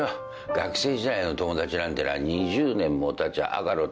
学生時代の友達なんてな２０年もたちゃ赤の他人だ。